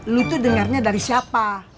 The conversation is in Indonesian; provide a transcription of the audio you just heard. lu tuh dengarnya dari siapa